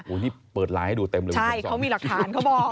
นี่เปิดไลน์ให้ดูเต็มเลยใช่เขามีหลักฐานเขาบอก